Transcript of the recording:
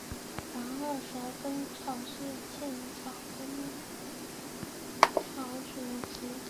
黄褐蛇根草是茜草科蛇根草属的植物。